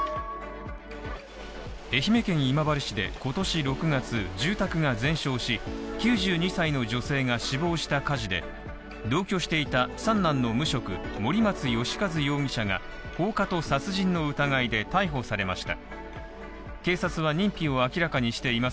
愛媛県今治市で今年６月住宅が全焼し９２歳の女性が死亡した火事で同居していた３男の無職、森松良和容疑者が放火と殺人の疑いで逮捕されました。